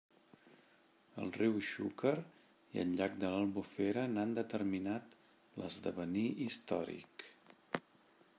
El riu Xúquer i el llac de l'Albufera n'han determinat l'esdevenir històric.